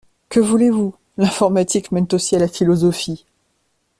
Que voulez-vous, l’informatique mène aussi à la philosophie!